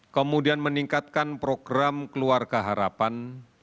kemudian meningkatkan program keluarga harapan